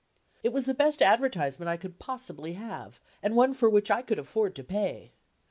It was the best advertisement I could possibly have, and one for which I could afford to pay.